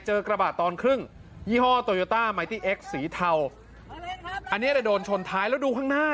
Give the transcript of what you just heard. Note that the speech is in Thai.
เจอกระบาดตอนครึ่งยี่ห้อสีเทาอันนี้แต่โดนชนท้ายแล้วดูข้างหน้า